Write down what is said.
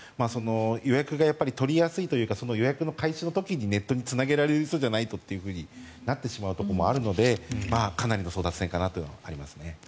予約が取りやすいというかその予約の開始の時にネットにつなげられる人じゃないとということになってしまうところもあるのでかなりの争奪戦かなというのがありますね。